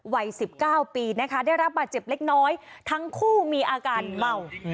วัย๑๙ปีนะคะได้รับบาดเจ็บเล็กน้อยทั้งคู่มีอาการเมา